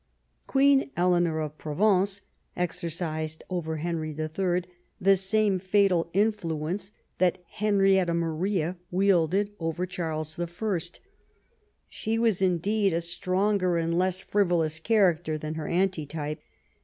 Queen Eleanor of Provence exercised over Henry III. the same fatal influence that Henrietta Maria wielded over Charles I. She was indeed a stronger and less frivolous character than her antitype.